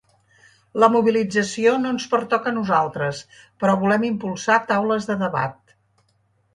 La mobilització no ens pertoca a nosaltres, però volem impulsar taules de debat.